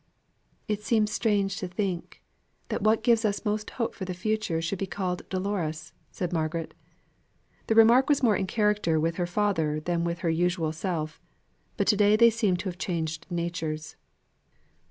"It seems strange to think, that what gives us most hope for the future should be called Dolores," said Margaret. The remark was more in character with her father than with her usual self; but to day they seemed to have changed natures.